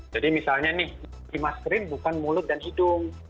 jadi misalnya nih dimaskerin bukan mulut dan hidung